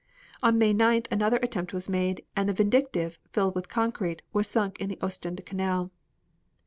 On May 9th another attempt was made, and the Vindictive, filled with concrete was sunk in the Ostend channel.